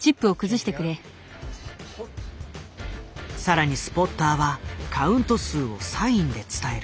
更にスポッターはカウント数をサインで伝える。